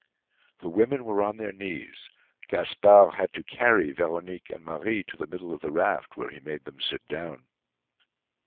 The women were on their knees. Gaspard had to carry Veronique and Marie to the middle of the raft, where he made them sit down.